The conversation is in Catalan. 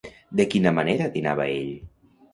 De quina manera dinava ell?